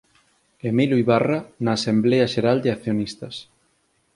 Emilio Ybarra na Asemblea Xeral de Accionistas